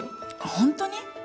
本当に？